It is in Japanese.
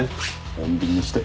穏便にして。